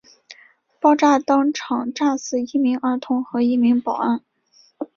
爆炸当场炸死一名儿童和一名保安。